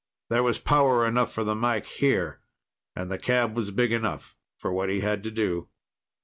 There was power enough for the mike here, and the cab was big enough for what he had to do.